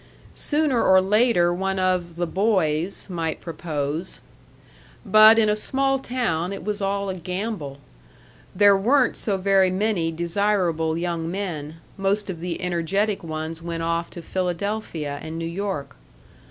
Sooner or later one of The Boys might propose. But in a small town it was all a gamble. There weren't so very many desirable young men most of the energetic ones went off to Philadelphia and New York.